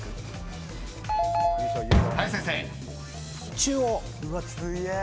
中央。